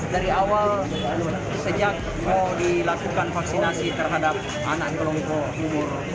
dari awal sejak mau dilakukan vaksinasi terhadap anak kelompok umur